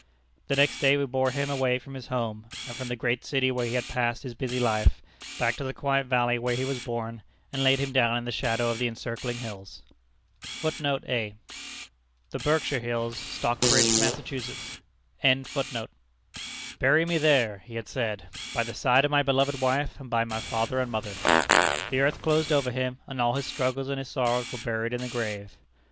The next day we bore him away from his home, and from the great city where he had passed his busy life, back to the quiet valley where he was born, and laid him down in the shadow of the encircling hills.[A] "Bury me there," he had said, "by the side of my beloved wife and by my father and mother." The earth closed over him, and all his struggles and his sorrows were buried in the grave.